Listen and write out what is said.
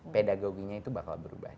pedagoginya itu bakal berubah